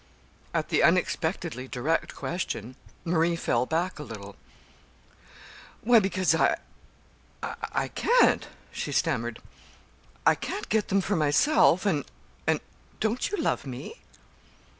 At the unexpectedly direct question, Marie fell back a little. "Why, because I I can't," she stammered. "I can't get them for myself, and and " "Don't you love me?"